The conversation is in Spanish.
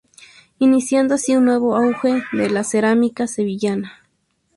Iniciando así un nuevo auge de la cerámica sevillana.